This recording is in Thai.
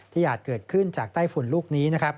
ที่อาจเกิดขึ้นจากไต้ฝุ่นลูกนี้